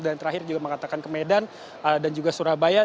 dan terakhir juga mengatakan ke medan dan juga surabaya